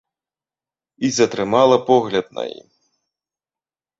І затрымала погляд на ім.